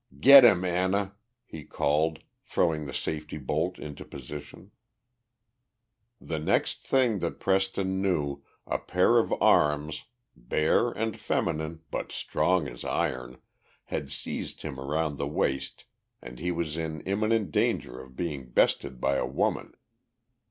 "Get him, Anna!" he called, throwing the safety bolt into position. The next thing that Preston knew, a pair of arms, bare and feminine but strong as iron, had seized him around the waist and he was in imminent danger of being bested by a woman.